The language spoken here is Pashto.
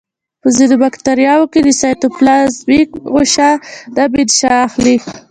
په ځینو باکتریاوو کې د سایتوپلازمیک غشا نه منشأ اخلي.